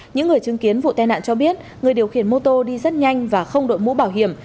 những người chứng kiến vụ tai nạn cho biết người điều khiển mô tô đi rất nhanh và không đội mũ bảo hiểm